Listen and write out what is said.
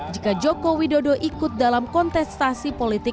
jika jokowi dodo ikut dalam kontestasi politik dua ribu dua puluh empat